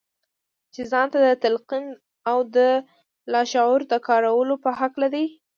چې ځان ته د تلقين او د لاشعور د کارولو په هکله دي.